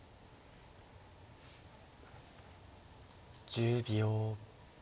１０秒。